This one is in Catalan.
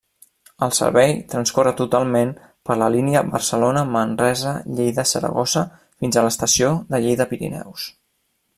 El servei transcorre totalment per la línia Barcelona-Manresa-Lleida-Saragossa fins a l'estació de Lleida Pirineus.